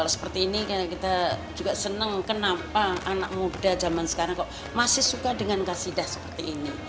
seperti ini kita juga senang kenapa anak muda zaman sekarang kok masih suka dengan kasidah seperti ini